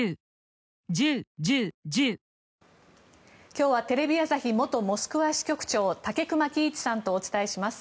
今日はテレビ朝日元モスクワ支局長武隈喜一さんとお伝えします。